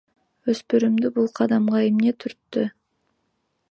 Өспүрүмдү бул кадамга эмне түрттү?